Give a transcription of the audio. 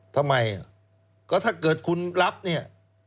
ทำไมก็ถ้าเกิดคุณรับเนี่ย